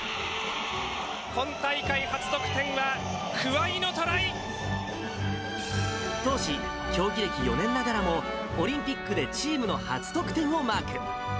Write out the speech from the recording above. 今大会初得点は、当時、競技歴４年ながらも、オリンピックでチームの初得点をマーク。